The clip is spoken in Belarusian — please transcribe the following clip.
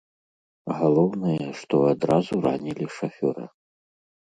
Галоўнае, што адразу ранілі шафёра.